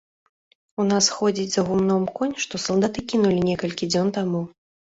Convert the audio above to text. У нас ходзіць за гумном конь, што салдаты кінулі некалькі дзён таму.